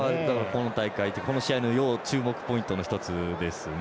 今大会、この試合の要注目ポイントの１つですね。